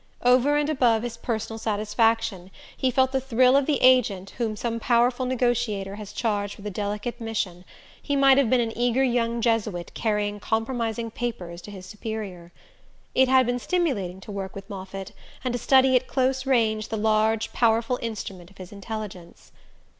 Over and above his personal satisfaction he felt the thrill of the agent whom some powerful negotiator has charged with a delicate mission: he might have been an eager young Jesuit carrying compromising papers to his superior. It had been stimulating to work with Moffatt, and to study at close range the large powerful instrument of his intelligence.